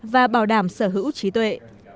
và bảo đảm sở hữu trí tuệ